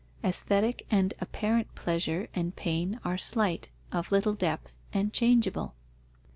Aesthetic and apparent pleasure and pain are slight, of little depth, and changeable."